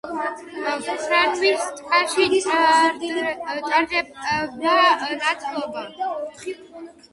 ფარავნის ტბაში ტარდება ნათლობა.